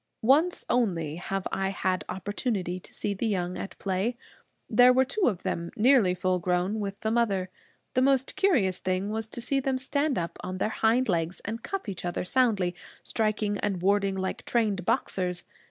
Once only have I had opportunity to see the young at play. There were two of them, nearly full grown, with the mother. The most curious thing was to see them stand up on their hind legs and cuff each other soundly, striking and warding like trained boxers.